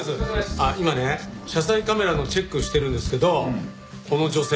あっ今ね車載カメラのチェックしてるんですけどこの女性。